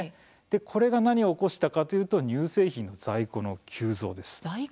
これが何を起こしたかというと乳製品の在庫の急増です。